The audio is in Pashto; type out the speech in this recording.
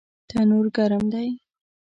تنور ګرم دی